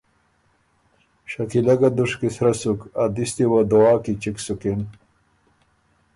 شکیلۀ ګه دُشکی سرۀ سُک، ا دِستی وه دعا کی چِګ سُکِن